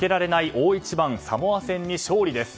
大一番サモア戦に勝利です。